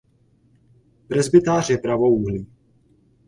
Presbytář je pravoúhlý.